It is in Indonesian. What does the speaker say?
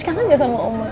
kangen gak sama oma